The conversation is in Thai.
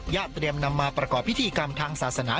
เตรียมนำมาประกอบพิธีกรรมทางศาสนา